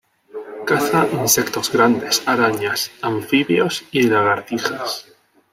Caza insectos grandes, arañas, anfibios y lagartijas.